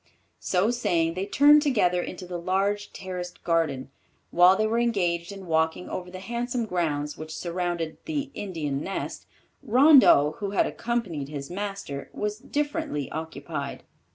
So saying, they turned together into the large terraced garden. While they were engaged in walking over the handsome grounds which surrounded "The Indian Nest," Rondeau, who had accompanied his master, was differently occupied.